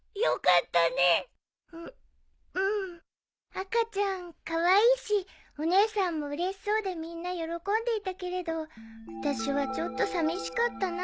赤ちゃんカワイイしお姉さんもうれしそうでみんな喜んでいたけれどあたしはちょっとさみしかったな。